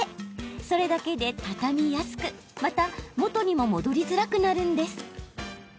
それだけで、畳みやすくまた元にも戻りづらくなるんです。